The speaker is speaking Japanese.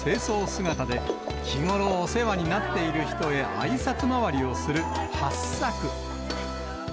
姿で、日頃お世話になっている人へあいさつ回りをする、八朔。